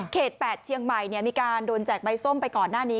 ๘เชียงใหม่มีการโดนแจกใบส้มไปก่อนหน้านี้